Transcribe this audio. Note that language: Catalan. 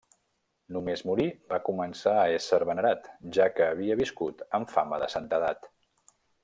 Només morir, va començar a ésser venerat, ja que havia viscut amb fama de santedat.